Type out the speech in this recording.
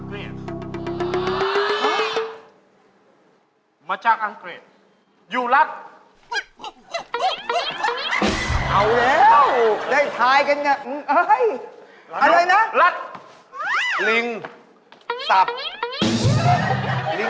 คุณพูดว่าของหลอดใช่ไหม